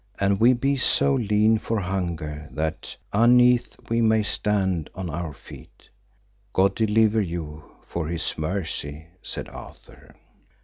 And we be so lean for hunger that unnethe we may stand on our feet. God deliver you, for his mercy, said Arthur.